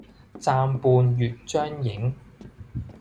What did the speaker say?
暫伴月將影，